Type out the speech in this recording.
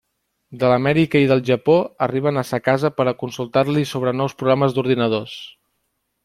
De l'Amèrica i del Japó arriben a sa casa per a consultar-li sobre nous programes d'ordinadors.